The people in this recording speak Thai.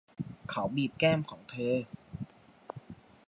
เขาบีบแก้มของเธอ